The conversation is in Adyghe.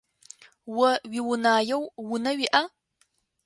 О уиунаеу унэ уиӏа?